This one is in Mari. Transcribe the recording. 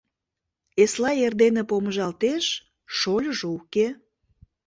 Эслай эрдене помыжалтеш — шольыжо уке.